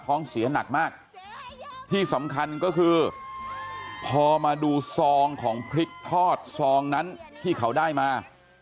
เสียหนักมากที่สำคัญก็คือพอมาดูซองของพริกทอดซองนั้นที่เขาได้มา